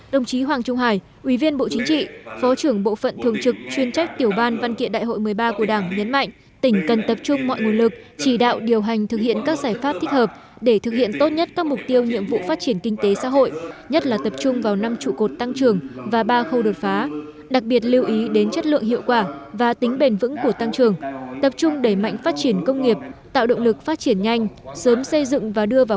đồng chí hoàng trung hải ủy viên bộ chính trị phó trưởng bộ phận thường trực chuyên trách tiểu ban văn kiện đại hội một mươi ba của đảng nhấn mạnh tỉnh cần tập trung mọi nguồn lực chỉ đạo điều hành thực hiện các giải pháp thích hợp để thực hiện tốt nhất các mục tiêu nhiệm vụ phát triển kinh tế xã hội nhất là tập trung vào năm trụ cột tăng trưởng và ba khâu đột phá đặc biệt lưu ý đến chất lượng hiệu quả và tính bền vững của tăng trưởng tập trung đẩy mạnh phát triển công nghiệp tạo động lực phát triển nhanh sớm xây dựng và đưa